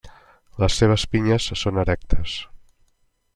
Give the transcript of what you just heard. Les seves pinyes són erectes.